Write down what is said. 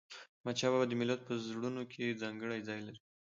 احمدشاه بابا د ملت په زړونو کې ځانګړی ځای لري.